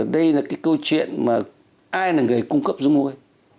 đây là cái câu chuyện mà ai là người cung cấp rung môi